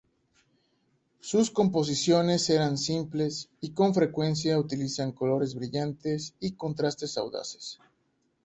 Sus composiciones eran simples, y con frecuencia utilizan colores brillantes y contrastes audaces.